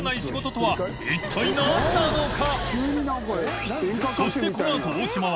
筿箸一体何なのか？